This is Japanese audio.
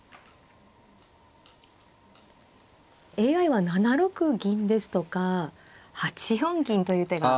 ＡＩは７六銀ですとか８四銀という手が。